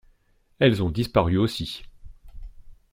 Elles ont disparu aussi.